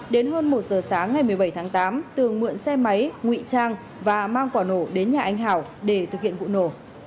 đến hơn một giờ sáng ngày một mươi bảy tháng tám tường mượn xe máy ngụy trang và mang quả nổ đến nhà anh hảo để thực hiện vụ nổ